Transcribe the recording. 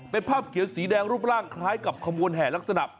เป็นภาพเขียวสีแดงรูปร่างคล้ายกับขบวนแห่ลักษณะ